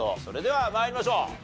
それでは参りましょう。